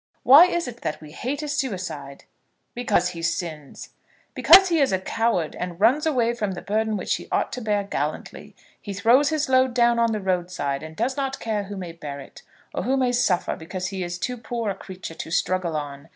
Why is it that we hate a suicide?" "Because he sins." "Because he is a coward, and runs away from the burden which he ought to bear gallantly. He throws his load down on the roadside, and does not care who may bear it, or who may suffer because he is too poor a creature to struggle on!